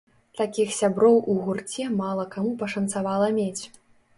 Такіх сяброў у гурце мала каму пашанцавала мець.